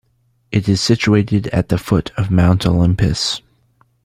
It is situated at the foot of Mount Olympus.